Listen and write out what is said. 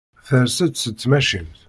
Ters-d seg tmacint.